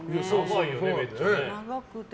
長くて。